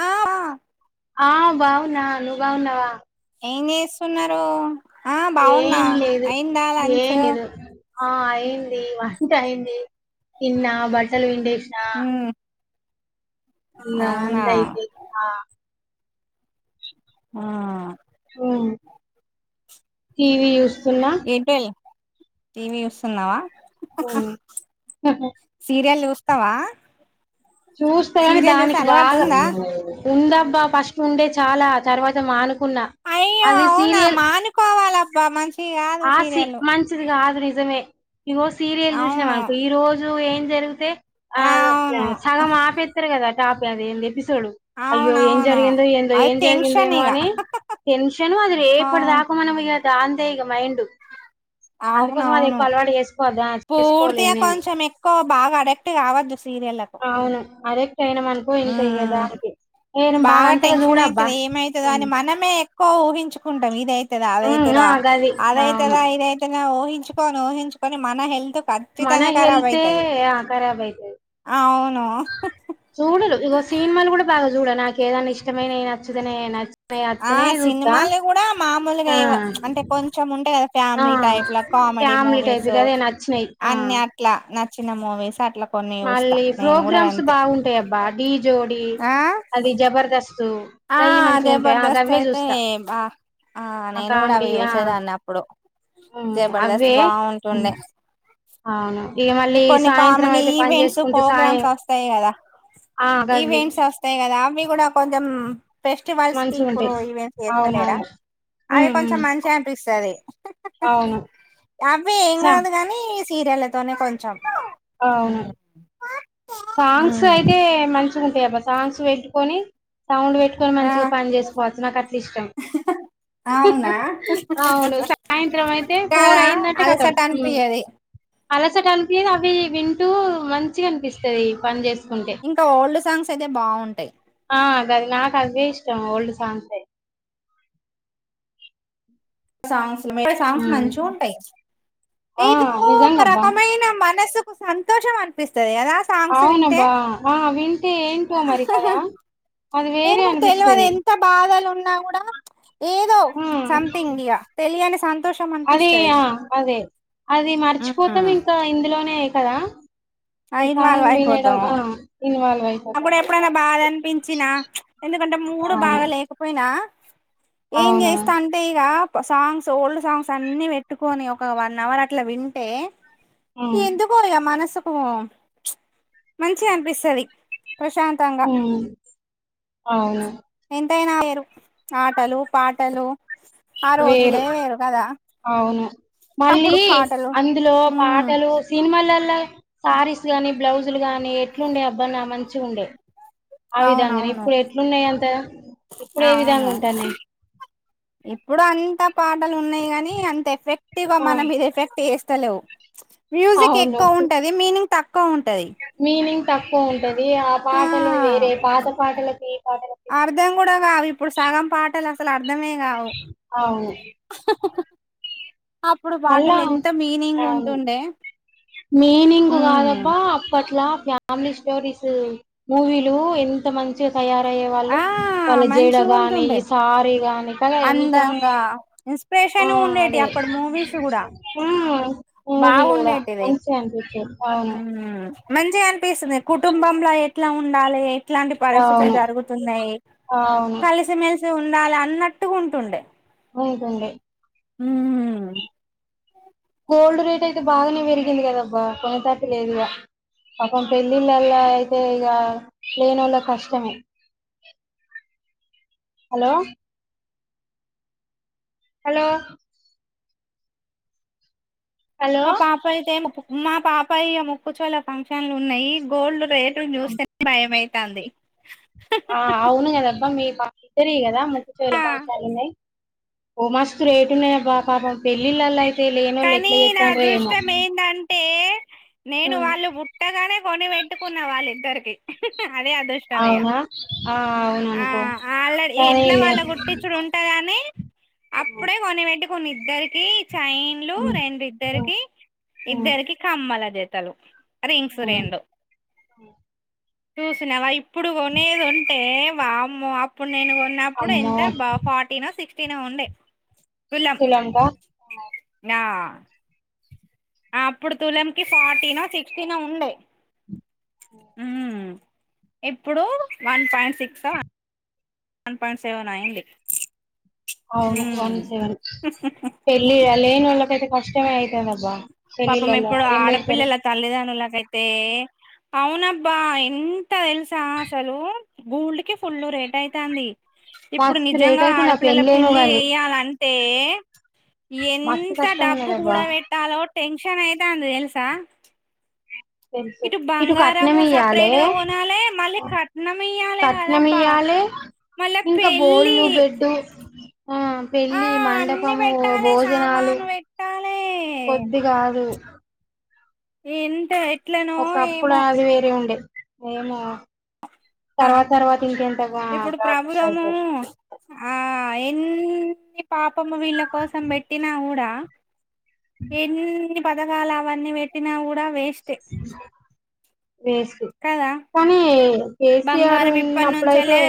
ఆ ఆ బాగున్న నువ్వు బాగున్నావా ఏం చేస్తున్నారు ఆ బాగున్నా ఏం లేదు అయిందా లంచ్ ఏం లేదు ఆ అయింది వంట అయింది తిన్న బట్టలు పిండే హ్మ్మ్ ఇంగా అంతే లే ఇంకేంటి ఆ [unintelligible] టీవీ చూస్తున్నా ఏటోల్ టీవీ చూస్తున్నావా హి హి ఉమ్ సీరియల్ చూస్ స్తవా చూస్తే దానికి బాగా ఉందా ఉందబ్బా ఫస్ట్ ఉండే చాలా తర్వాత మాను అయ్యో అవునా మానుకోవాలబ్బా మంచియి కాదు సీరియల్ రీజనే ఇగో సీరియల్ అవును చూసినావనుకో ఈ రోజు ఏం జరుగుతే ఆ స సగం ఆపేత్తరు కదా టాప దేందే పిస్ అయ్యో ఏం అవునవును జరిగిందో ఏందో అది ఏం టెన్షన్ జరిగిందేమో ఇగ అని టెన్షన్ అది ఆ రేపటి దాక మనం ఇగ తాందే ఇగ మైండ్ డ్ అందుకోసం అది అవునవును ఎక్కువ అలవాటు చేసుకోవద్దు ఆ చేసుకోలే పూర్తిగా నేను కొంచెం ఎక్కువ బాగా అడక్ట్ కావద్దు సీరియల కు అరే చేయనాం అనుకో ఇంక ఇగ దానికి నేను బాగా అంతగా చూడబ్బా కూ ఊహించుకుంటాం ఇదై తద ఉమ్ అదైతద ఆ గది అదైతద అవును ఇదైతద అని ఊహి చుకొని ఊహించుకొని మన హెల్త్ మన ఖచ్చితంగా ఖరాబ్ హెల్తే అయితది ఆ కరాబ్ అయితది ఉమ్మ్ హు హు లు ఇగో సినిన్మాల్ కూడా బాగా చూడ నాకేదన్న ఇష్టమైనవి నచ్చుతనే నచ్చ ఆ సినిమాలు గూడా మామూలుగా ఆ మ్చ్ అంటే కొంచెం ఉంటాయి కదా ఆ పామిలీ టైప్ లో కామెడీ ఫ్యామిలీ టైప్ మూవీస్ గదే నచ్చినయి ఆ అన్ని అట్లా న చిన్న మూవీస్ అట్లా కొన్ని చూస్తా మళ్ళీ నేను కూడా ప్రోగ్రామ్స్ గంతే బాగుంటాయబ్బా డీ జోడి ఆ అది జబర్దస్త్ ఆ గయి మంచిగుంటయి ఆ జబర్దస్త్ గవ్వే అయితే చూస్తా బ ఆ నేను గూడా కామెడీ అవి ఆ చూసేదాన్ని అప్పుడు ఉమ్ జబర్దస్త్ అవ్వే ఉమ్ బాగుంటుండే అవును ఇగ మళ్ళీ కొన్ని సాయంత్రం కామెడీ అయితే పని ఈవెంట్స్ చేసుకుంటే సాయం ప్రోగ్రామ్స్ వస్తాయి కదా ఆ గవ్వి ఈవెంట్స్ వస్తాయి కదా అవి కూడా కొంచెం ఫెస్టివల్స్ కి ఇప్పుడు మంచిగుంటయి ఈవెంట్స్ చేస్తలేరా అవునవును ఉమ్ అవి ఉమ్ కొంచెం మంచి అనిపిస్తాది అవును అవి ఏం స కాదు కానీ సీరియళ్లతోనే కొంచెం అ అవును సాంగ్స్ అయితే మన్ కుంటాయబ్బ సాంగ్స్ పెట్టుకొని సౌండ్ పెట్టుకొని ఆ మంచిగా పని చేసుకోవచ్చు నాకు అట్లా ఇష్టం అవునా అవును సాయంత్రం అయితే ఫోర్ కాదా అయిందట్టే కదం అలసట అనిపియది అలసట అన్పియాదు అవి వింటూ మంచిగా అనిపి స పని చే ఇంకా ఓల్డ్ సాంగ్స్ అయితే బాగుంటాయి ఆ గది నాకు అవే ఇష్టం ఓల్డ్ సాంగ్స్ స సాంగ్స్ ఉమ్ మంచిగ ఉంటాయ్ ఆ నిజంగబ్బా సంతోషం అనిపిస్తు కదా సాంగ్స్ వింటే అవునబ్బా ఆ వింటే ఏంటో మరి కదా అది వేరే ఏమో తెలిది అనిపిస్తది ఎంత బాధలు ఉన్నా కూడా ఏదో ఇండియా తెలియన్ అదే ఆ అదే అది మర్చిపోతాం ఇంకా ఇందులోనే ఎ కదా ఈ అయినవల్మ్ సాంగ్ వినడం అయిపోతాం ఆ ఇన్వాల్వ్ అయిపోతాం అప్పుడు మంచిగా ఎప్పుడైనా అనిపిస్తుంది. బాధ అనిపించినా ఎందుకంటే మూడు అవును బాగా లేకపోయినా ఏం అవును చేస్తా అంటే ఇగ సాంగ్స్ ఓల్డ్ సాంగ్స్ అన్ని పెట్టుకొని ఒక వన్ అవర్ అట్లా వింటే ఉమ్ ఎందు పోయా మనసు ఓ మంచి అనిపిస్తాది ప్రశాంతంగా ఉమ్ అవును ఎంతైనా వేరు ఆటలు పాటలు ఆ వేరు రోజులే కదా అవును అప్పుడు మళ్ళీ పాటలు అందులో ఉమ్ పాటలు సినిమాలలో శారీస్ గాని బ్లౌజులు గాని ఎట్లుండే అబ్బానా మంచి ఉండే ఆ విధంగానే అవునవును ఇప్పుడు ఎట్లున్నాయి అంత ఇప్పుడు ఏ విధంగా అవును ఉంటున్నాయి ఇప్పుడు అంతా పాటలు ఉన్నాయి కాగానీ అంత ఎఫెక్ తివ ఆ మనం ఇది ఎఫెక్ట్ తెలవు మ్యూజిక్ అవును ఎక్కువ ఉంటది మీనింగ్ తక్కు క్క ఉంటది మీనింగ్ తక్కువ ది ఆ పాటలు వేరే పాత పాటల కి [unintelligible] పాటలకి అర్ధం అర్ద్ మే కావు అవును అప్పుడు మళ్ళా పాటలు ఎంత మీనింగ్ ఉంటుండే మీనింగ్ ఉమ్ కాదబ్బా అప్పట్లా ఫ్యామిలీ స్టోరీస్ మూవీలు ఎంత మంచి తయారయ్యే వాళ్ళు ఆ వాళ్ళ జెడ గాని మంచిగుంటుండే ఈ సారీ గాని కదా ఎంత అందంగా ఆ ఇన్స్పిరేషన్ ఉండేటి అదే అప్పుడు మూవీస్ కూడా హ్మ్ మూవీలు కూడా మంచిగా అం కేం హ్మ్ మంచిగా అనిపిస్తుంది కుటుంబంలో ఎట్లా ఉండాలి ఇట్లాంటి పరిస్థితులు అవును జరుగుతున్నాయి అవును కలిసి మెలిసి ఉండాలి అన్నట్టుగా ఉంటుండే ఉంటుండె హ్మ్ గోల్డ్ రేట్ అయితే బాగానే పెరిగింది కదబ్బా కొనెటట్టు లేదు ఇక పాపం పెళ్ళిళ్ళలా అయితే ఇగ లేనొల్ల కష్టమే హలో హలో హలో మా పాపయితే మా పాపయ్య ముక్కచోల ఫంక్షన్లు ఉన్నాయి గోల్డ్ రేటును ఆ చూస్తేనే భయం కంది ఆ అవును కదబ్బా మీ పా ఇద్దరి యి కదా ముక్కుచెవుల ఫంక్షన్లు ఉన్నాయి ఓ మాస్తు రేటున్నాయి అబ్బా పాపం పెళ్ళిళ్ళలో అయితే లేనోళ్ళు కానీ ఎట్లా నా చేత్తాండ్రో ఏమో అదృష్టం ఏందంటే నేను ఉమ్. వాళ్ళు పుట్టగానే కొనిపెట్టుకున్న వాళ్ళిద్దరికి అదే అదృష్టం ఇగ అవునా ఆ అవును అనుకో అ ఎట్లా సరేలే వాళ్ళ కుట్టిచ్చుడు ఉంటందని అప్పుడే కొనిపెట్టి కొని ఇద్దరకి చై డ్లు రెండు ఇద్దరికి ఇద్దరికి కమ్మల జ తలు అరే ఇన్సూరెండు చూసిన వై ఇప్పుడు కొనేది ఉంటే వామ్మో నేను కొన్నప్పుడు అమ్మో ఎంత బ ఫార్టీనో సిక్స్ తిన ఉండే తులం ఇల్లంతా ఆ అప్పుడు తులంకి ఫార్టీనో సిక్స్టీనో ఉండే మ్మ్ ఇప్పుడు వన్ పాయింట్ సిక్సా వన్ పాయింట్ సెవెన్ అయ్యింది అవును వన్ సెవెన్ పెళ్ళి లేని వాళ్ళకైతే ఫస్ట్ టై అయ్యింది అబ్బా పాపం ఇప్పుడు ఆడపిల్లలా తల్లిదండనులా అయితే అవునబ్బా ఎంత తెలుసా అసలు గుళకి ఫుల్ళలు రేట్ అవుతంది ఇప్పుడు మస్తు రేట్ నిజంగా అయితుంది ఆ ఆడపిల్లల పెళ్ళేమో పెళ్లి గాని చేయాలంటి మస్తు ఎంత కష్టం డబ్బు ఉన్నదబ్బా కూడా పెట్టాలో టెన్షన్ అయ్యింది తెలుసా తెలుసు ఇటు కట్నం బంగారము ఇయ్యాలె సపరేట్ గా కొనాలే మళ్ళీ కట్నం ఇయ్యాలే కట్నం కదబ్బా ఇయ్యాలె మళ్ళా ఇంకా పెళ్ళి బోళ్లు బెడ్డు ఆ ఆ పెళ్ళి అన్ని మండపము పెట్టాలే భోజనాలు సామాను పెట్టాలే కొద్ది కాదు [inaudible] ఎంత ఎట్లనో ఒకప్పుడు ఏమో అది వేరే ఉండేది ఏమో ఆ తర్వాత తర్వాత ఇంకెంతగా ఇప్పుడు [unintelligible] మ్మ్ పాపము వీళ్ళ కోసం పెట్టినా కూడా ఏనీ పథకాలు అవన్నీ పెట్టినా కూడా వే అ వేస్కి కదా కానీ కేసియారు ఉన్నపుడు అయితే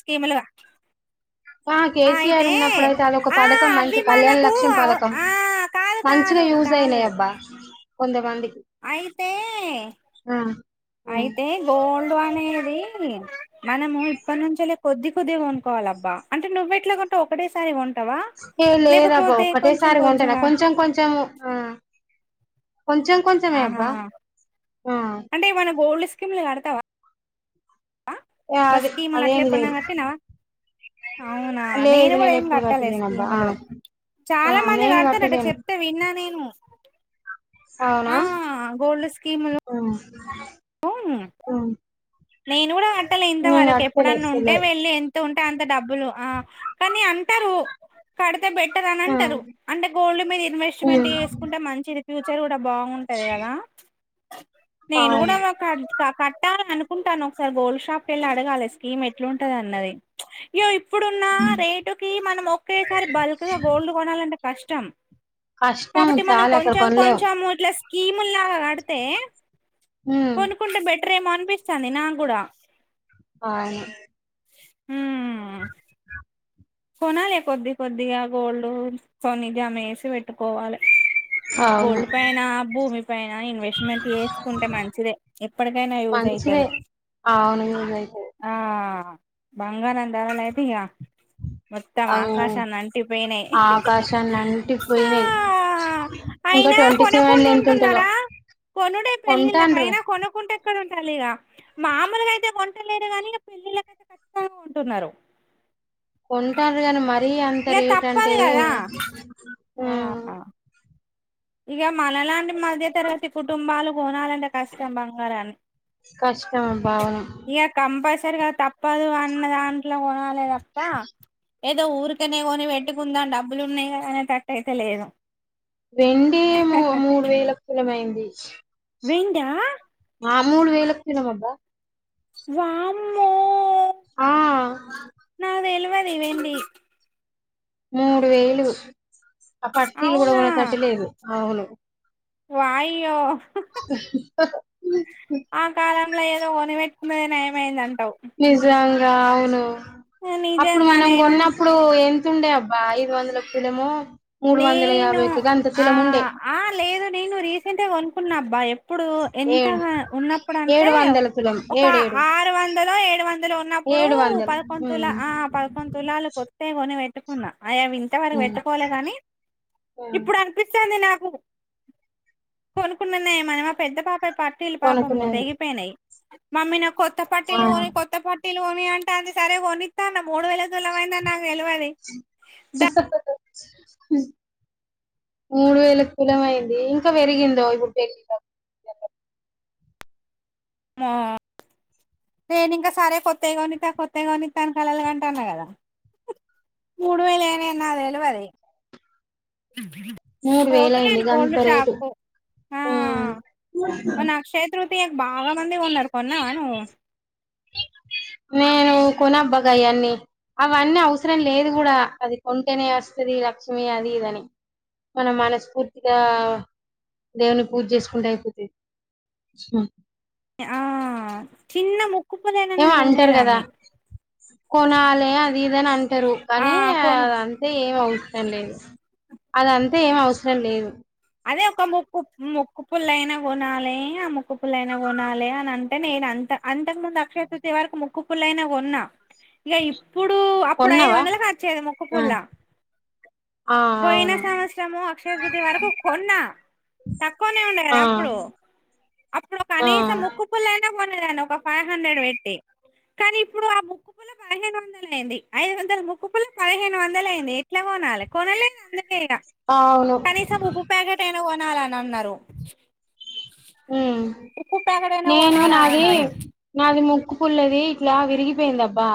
స్కీమలగా ఆ కే సీ ఆర్ ఉన్నప్పుడు అయితే అదొక ఆ పథకం అవి మంచి కళ్యాణ్ మనకు లక్ష్యం పథకం ఆ కాదు మంచిగా కాదు యూజ్ కాదు అయినాయ్ అబ్బా కొందే మంది అయితే ఆ అయితే గోల్డ్ నువ్ అనేది మనము ఇప్పట్నుంచెల్లె కొద్ది కొద్దిగా కొన్ కోవాలబ్బ తో ఒక్కటే సారి కొం ఏ లేదబ్బా ఒక్కటేసారి కొంటనా కొంచెంగా కొంచెం కొంచెం ఆ కొంచెం కొంచమే అబ్బా ఆహా ఆ కీముల కడుతవ ఆ అదే అదేం లేదు అవునా లేదు నేను కూడా ఏం ఎప్పుడు కట్టలే కట్టలేనబ్బా ఆ స్కీములు ఆ నేను కట్టలేను అస్ అవునా ఆ పోను నేను కూడా తెల్లే ఇంత నేను వరకి కట్టలే ఎప్పుడన్నా ఉంటే తెల్వదు వెళ్ళి ఎంత ఉం ట అంత డబ్బులు ఆ కానీ అంటరు కడితే బెట్ అని ఉమ్ అంటారు అంటే గోల్డ్ మీద ఇన్వెస్ట్మెంట్ ఉమ్ చేసుకుంటే మంచిది ఫ్యూచర్ అంట బాగుంటది కదా నేను కూడా అవును మా కాడుదు కట్టా కుంటాను ఒకసారి గోల్డ్ షాప్ కెళ్ళి అడగాలి స్కీమ్ ఎట్లుంటది అన్నది ఇప్పుడున్న రేటు కి మనం ఒకేసారి బల్క్ గా గోల్డ్ కొనాలంటే కష్టం కష్టం చాలా అక్కడ కొనలేవు క ముల్లా కడుతే ఉమ్ కొనుకుంట బెట్ట రేమోన్పి చందినాకూడా అవును మ్ కొనాలి కొద్ది కొద్దిగా గోల్డ్ కొన్ని జమ వేసి పెట్టుకోవాలి అవును గోల్డ్ పైన భూమి నా ఇన్వెస్ట్మెంట్ చేసుకుంటే మంచిదే ఎప్పటికైనా యూజ్ మంచిదే అయితారు అవును యూజ్ అయితది ఆ బంగారం ధరలు ఐతే ఇగ మొత్తం అవు ఆకాశాన్ని అంటిపోయినాయి ఆకాశాన్ని అంటిపోయినాయి ఇంకా అయినా ట్వంటీ సెవెన్ లో ఎంత ఉంటదో కొనుకుంటంటున్నారా కొనుడే పెళ్ళిళ్ళక కొంటాండ్రు అయినా కొనుకుంటే ఎక్కడ లిగా మామలుగా అయితే కొంటలేరు కాగాని పెళ్ళళ్ళకయితే ఖచ్చితంగా కొంటున్నారు ఉంటారు కానీ మరి ఇగ తప్పదు కదా ఆ మ్మ్ ఇక మనలాంటి మధ్య తరగతి కుటుంబాలు కొనాలంటే కష్టం బంగారాన్ని కష్టం భావన ఇస్తారు కదా తప్పదు అన్న దాంట్లో కొనాల కొనాలే తప్ప ఏదో ఊరికనే కొని పెట్టుకుందాం డబ్బులు ఉన్నాయనే తట్టు అయితే లేదు వెండి మూ మూడు వేలకు తులం అయింది వెండ ఆ మూడు వేలకు తినమబ్బా వామ్మో ఓ ఆ నాకు తెల్వది వెండి మూడు వేలు ఆ ప అట్టీలు కూడా కొనేటట్టు లేదు అవును వాయుయో కొని పెట్టుకున్నదే నయం అయింది అనుకోవాలి నిజంగా అవును ఆ అప్పుడు నిజంగా మనం నేను కొన్నప్పుడు ఎ స్తుండే అబ్బా ఐదు వందకి తులమో నేను ఆ ఆ లేదు నేను రీసెంట్గా కొనుకున్నా బాయం ఇప్పుడు ఏడు ఎంతగా ఉన్నప్పుడు అంటే ఏడు వందల తులం ఒక ఏడేడు ఆరు వందలు ఏడు వందలు ఉన్నప్పుడు ఏడు వందలు పదకొండు తుల మ్మ్ ఆ పదకొండు తులాలు కొత్తతే కొనివె పెట్టుకున్న అయ్యా ఇంత వరకు మ్మ్ పెట్టుకోలేగాని ఆ ఇప్పుడు అనిపిస్తు అనిపిస్తుంది నాకు కొనుకున్నా నయం అని మా పెద్ద పాప పట్టీలు పాపం కొనుక్కున్నాను తెగిపోయినయి మమ్మీ నా కొ కొత్త ఆ పార్టీలుని కొత్త పార్టీలు అమ్మి అంటాంది సరే కొనిత్తంఅన్న మూడువేల అని నాక్ వేలువది డ్డ హుమ్ మూడు వేలకు కులం అయింది ఇంకా పెరిగిందో ఇప్పుడు పెరిగిందో నెంబర్ మో నేను ఇంకా సరే కొత్తయి కొనిత్త కొత్తయి కొనిత్తని కలాలు కంటానకదా మూడువేలే అని నాక్ తెల్వది మూడు వేలు అయింది పోతలేను గంత గోల్డ్ రేటు షాప్ కు ఆ ఉమ్ మొన అక్షయ తృ ఆంటే బాగా మంది కొన్నారు కొన్నావ నువ్వు నేను కొనబ్బగయి అన్నీ అవన్నీ అవసరం లేదుకూడా అది కొంటేనే వస్తది లక్ష్మి అది ఇదని మనం మనస్ఫూర్తిగా దేవుని పూజ్ చేసుకుంటే అయిపోతది ఆ చిన్న ముక్ కుప్పదేనాంద ఏమో అంటారు కదా మునిగేదాన్ని కొనాలి అదిఇది అన్ అంటరు కానీ ఆ అంతే ఏంవ్వద్ లేదు అదంతా ఏం అవసరం లేదు అదే ఒక ముక్కు ముొక్కు పుల్ల అయినా కొనాలి ఆ ముక్కుపుల్లైన కొనాలే అని అంటే నేను అంత అంతకు ముందు అక్షయతృతీయ వరకు ముక్కుపుల్లైన కొన్నా ఇగ ఇప్పుడు అప్పుడు ఐదు కొన్నావా వందలకుకి వచ్చేది మొక్క్క ఆ! పుల్ల ఆ పోయిన అవును సంవత్సరము అక్షయతతి వరకు కొన్నా తక్కువనే ఉండ కదా ఆ అప్పుడు అప్పుడు ఒక ఆ కనీసం ముక్కు పుల్లని కొనేదాన్ని ఒక ఫైవ్ హండ్రెడ్ పెట్టి కానీ ఇప్పుడు ఆ ముక్కుపుల పదిహేను వందలు అయింది ఐదు వందల ముక్కుపులు పదిహేను వందల అయింది ఎట్లా కొనాలి కొనలేదు వెయారా అవును కనీసూ ఎనా కొనాలని అన్నారు ఉమ్ ఉప్పు ప్యాకెట్ అయినా నేను కొనాలని నాది అన్నారు నాది ముక్ ఉ పుల్లది ఇట్లా విరిగిపోయిందబ్బా